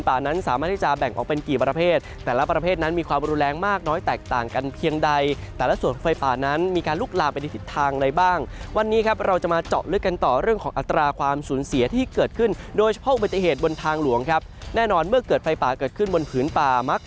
นั้นสามารถที่จะแบ่งออกเป็นกี่ประเภทแต่ละประเภทนั้นมีความรุนแรงมากน้อยแตกต่างกันเพียงใดแต่ละส่วนไฟป่านั้นมีการลุกลามไปในทิศทางใดบ้างวันนี้ครับเราจะมาเจาะลึกกันต่อเรื่องของอัตราความสูญเสียที่เกิดขึ้นโดยเฉพาะอุบัติเหตุบนทางหลวงครับแน่นอนเมื่อเกิดไฟป่าเกิดขึ้นบนผืนป่ามัก